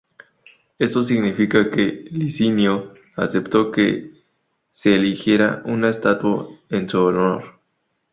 Esto significa que Licinio aceptó que se erigiera una estatua en su honor.